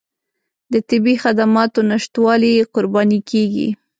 د طبي خدماتو نشتوالي قرباني کېږي.